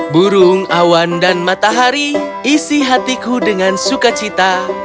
burung awan dan matahari isi hatiku dengan suka cita